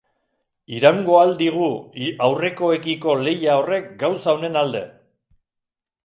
Iraungo ahal digu aurrekoekiko lehia horrek gauza onen alde!